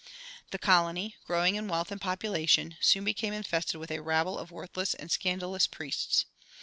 The colony, growing in wealth and population, soon became infested with a rabble of worthless and scandalous priests.